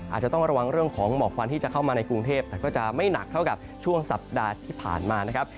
อาจจะต้องระวังเรื่องของหมอกควันที่จะเข้ามาในกรุงเทพแต่ก็จะไม่หนักเท่ากับช่วงสัปดาห์ที่ผ่านมานะครับ